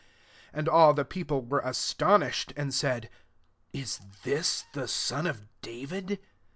23 And all the people were astonished, and said, " Is this the son of David?